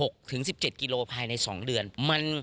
๑๖๑๗กิโลกรัมภายใน๒เดือน